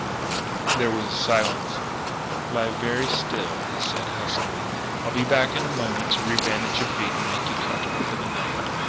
There was a silence. "Lie very still," he said huskily. "I'll be back in a moment to rebandage your feet and make you comfortable for the night."